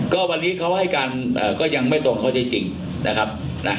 ก็วันนี้เขาให้การก็ยังไม่ตรงข้อเท็จจริงนะครับนะ